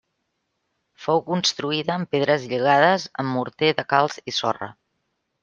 Fou construïda amb pedres lligades amb morter de calç i sorra.